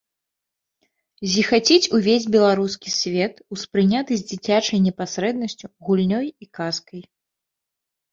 Зіхаціць увесь беларускі свет, успрыняты з дзіцячай непасрэднасцю, гульнёй і казкай.